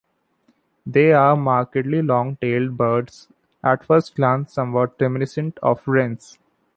They are markedly long-tailed birds, at first glance somewhat reminiscent of wrens.